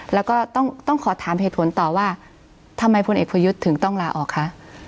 แล้วก็ต้องขอถามเหตุผลต่อว่าทำไมพลเอกประยุทธ์ถึงต้องลาออกคะ